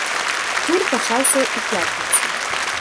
Тур пачаўся ў пятніцу.